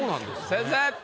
先生。